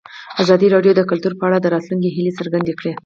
ازادي راډیو د کلتور په اړه د راتلونکي هیلې څرګندې کړې.